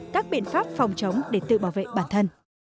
các biện pháp phòng chống để tự bảo vệ bản thân